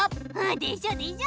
でしょでしょ。